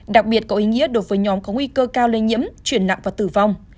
đặc biệt có ý nghĩa đối với nhóm có nguy cơ cao lây nhiễm chuyển nặng và tử vong